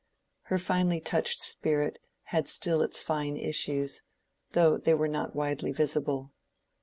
Her finely touched spirit had still its fine issues, though they were not widely visible.